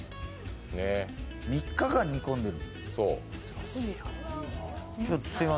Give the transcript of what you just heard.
３日間煮込んでる。